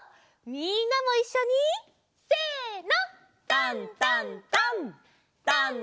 みんなもいっしょにせの！